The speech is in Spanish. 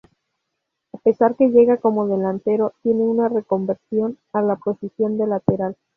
A pesar que llega como delantero, tiene una reconversión a la posición de lateral.